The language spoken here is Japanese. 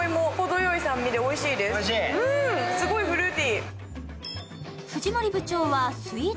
すごいフルーティー。